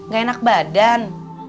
gak enak badan